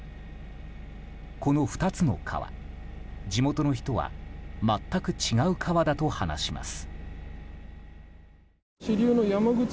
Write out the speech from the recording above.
この２つの川、地元の人は全く違う川だと話します。